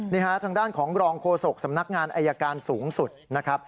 นี่ฮะทางด้านของรองโฆษกสำนักงานอายการสูงสุดนะครับ